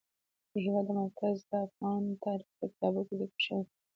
د هېواد مرکز د افغان تاریخ په کتابونو کې ذکر شوی دي.